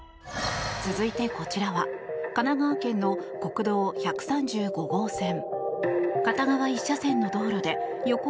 続いてこちらは神奈川県の国道１３５号線。